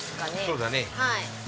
そうだね。